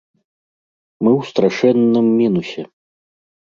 Мы ў страшэнным мінусе!